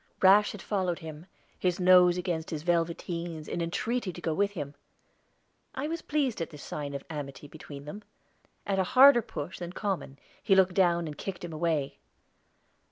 Rash had followed him, his nose against his velveteens, in entreaty to go with him; I was pleased at this sign of amity between them. At a harder push than common he looked down and kicked him away.